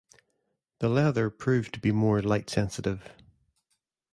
The leather proved to be more light-sensitive.